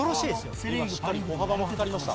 今しっかり歩幅も測りました。